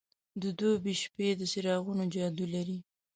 د دوبی شپې د څراغونو جادو لري.